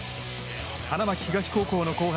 花巻東高校の後輩